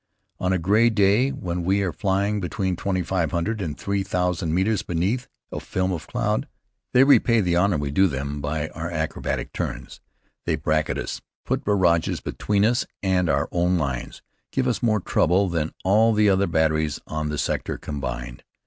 On a gray day, when we are flying between twenty five hundred and three thousand metres beneath a film of cloud, they repay the honor we do them by our acrobatic turns. They bracket us, put barrages between us and our own lines, give us more trouble than all the other batteries on the sector combined.